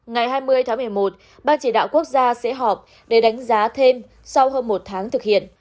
ngày hai mươi tháng một mươi một ban chỉ đạo quốc gia sẽ họp để đánh giá thêm sau hơn một tháng thực hiện